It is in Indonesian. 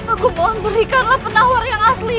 aku mohon berikanlah penawar yang asli